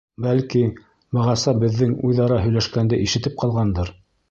Бәлки, бығаса беҙҙең үҙ-ара һөйләшкәнде ишетеп ҡалғандыр.